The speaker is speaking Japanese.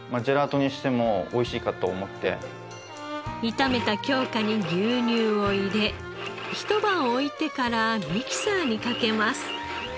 炒めた京香に牛乳を入れひと晩置いてからミキサーにかけます。